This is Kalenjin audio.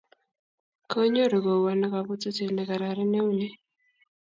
Koinyoru kou ano kabwatutiet ne kararan neu ni